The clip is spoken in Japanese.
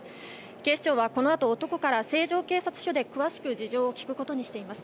警視庁はこのあと男から成城警察署で詳しく事情を聴くことにしています。